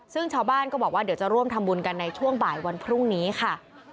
ซึ่งชาวบ้านก็บอกว่าเดี๋ยวจะร่วมทำบุญกันในช่วงบ่ายวันพรุ่งนี้ค่ะ